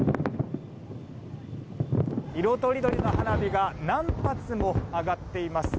色とりどりの花火が何発も上がっています。